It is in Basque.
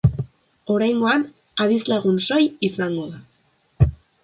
Oraingoan, adizlagun soil izango da.